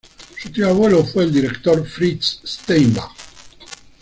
Su tío abuelo fue el director Fritz Steinbach.